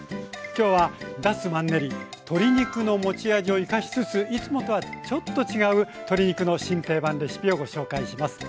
今日は脱マンネリ鶏肉の持ち味を生かしつついつもとはちょっと違う鶏肉の新定番レシピをご紹介します。